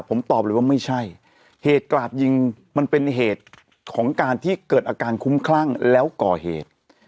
ผมตอบเลยว่าไม่ใช่เหตุกราดยิงมันเป็นเหตุของการที่เกิดอาการคุ้มคลั่งแล้วก่อเหตุ